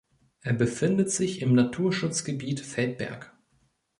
Er befindet sich im Naturschutzgebiet Feldberg.